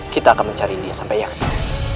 kita akan mencari dia sampai yakin